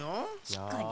しっかり。